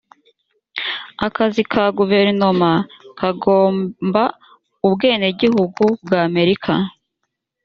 akazi ka guverinoma kagomba ubwenegihugu bw amerika